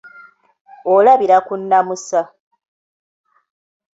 Olabira ku nnamusa.